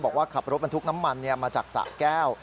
บอกว่าขับรถบรรทุกน้ำมันมาจากสะแก้ว